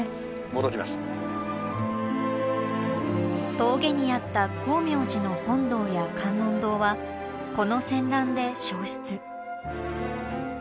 峠にあった光明寺の本堂や観音堂はこの戦乱で焼失。